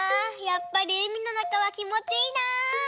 やっぱりうみのなかはきもちいいな。